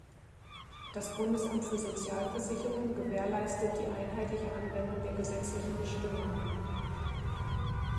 Das Bundesamt für Sozialversicherung gewährleistet die einheitliche Anwendung der gesetzlichen Bestimmungen.